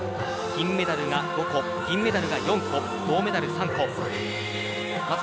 金メダルが５個、銀メダルが４個銅メダル３個です。